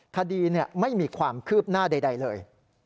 คดีไม่มีความคืบหน้าใดเลย